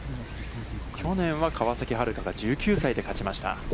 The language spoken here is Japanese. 去年は、川崎春花が１９歳で勝ちました。